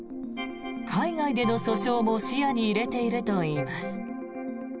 海外での訴訟も視野に入れているといいます。